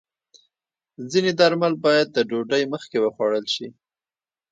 ځینې درمل باید د ډوډۍ مخکې وخوړل شي.